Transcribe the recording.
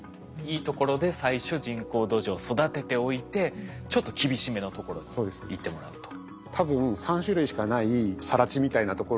いいところで最初人工土壌育てておいてちょっと厳しめのところに行ってもらうと。